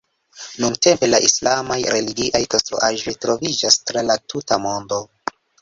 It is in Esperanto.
Nuntempe la islamaj religiaj konstruaĵoj troviĝas tra la tuta mondo.